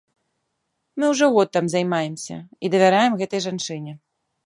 Мы ўжо год там займаемся і давяраем гэтай жанчыне.